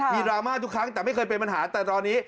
ดราม่าทุกครั้งแต่ไม่เคยเป็นปัญหาแต่ตอนนี้